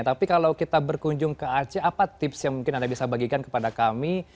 tapi kalau kita berkunjung ke aceh apa tips yang mungkin anda bisa bagikan kepada kami